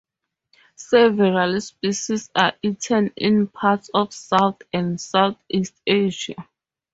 Several species are eaten in parts of South and Southeast Asia.